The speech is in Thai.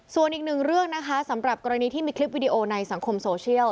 ส่วนอีกหนึ่งเรื่องนะคะสำหรับกรณีที่มีคลิปวิดีโอในสังคมโซเชียล